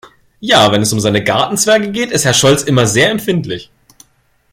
Ja, wenn es um seine Gartenzwerge geht, ist Herr Scholz immer sehr empfindlich.